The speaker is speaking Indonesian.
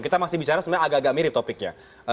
kita masih bicara sebenarnya agak agak mirip topiknya